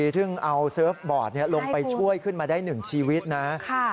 ซึ่งเอาเซิร์ฟบอร์ดลงไปช่วยขึ้นมาได้๑ชีวิตนะ